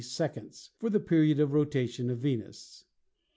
93 seconds for the period of rotation of Venus.